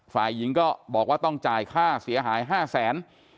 ฝ่ายหญิงก็บอกว่าต้องจ่ายค่าเสียหาย๕แสน